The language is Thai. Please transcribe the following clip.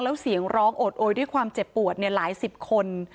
แล้วเสียงร้องโอดโอยด้วยความเจ็บปวดหลายสิบคน